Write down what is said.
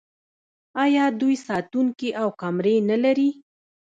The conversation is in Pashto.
آیا دوی ساتونکي او کمرې نلري؟